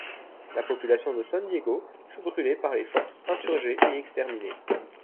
La population de San Diego fut brûlée par les forces insurgées et exterminée.